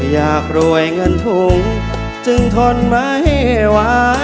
อยากรวยเงินถุงจึงทนไม่ไหว